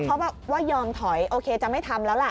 เขาบอกว่ายอมถอยโอเคจะไม่ทำแล้วล่ะ